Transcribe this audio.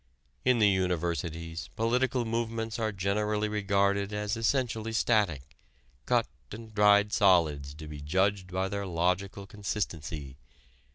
In the Universities political movements are generally regarded as essentially static, cut and dried solids to be judged by their logical consistency.